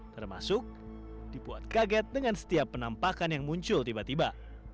termasuk dibuat kaget dengan setiap penampakan yang muncul tiba tiba